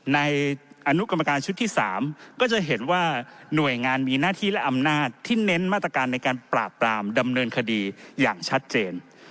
อนุกรรมการชุดที่๓ก็จะเห็นว่าหน่วยงานมีหน้าที่และอำนาจที่เน้นมาตรการในการปราบปรามดำเนินคดีอย่างชัดเจน